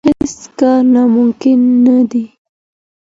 هيڅ کار ناممکن نه دی.